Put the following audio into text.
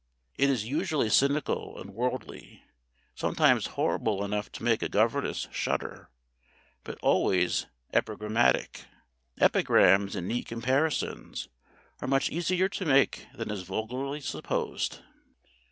It is usually cynical and worldly, sometimes horrible enough to make a governess shudder, but always epigrammatic. Epigrams and neat comparisons are much easier to make than is vulgarly supposed.